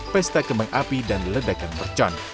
pesta kembang api dan ledakan mercon